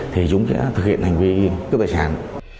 thì chúng sẽ thực hiện hành vi cướp tài sản